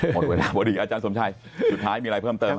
หมดเวลาพอดีอาจารย์สมชัยสุดท้ายมีอะไรเพิ่มเติม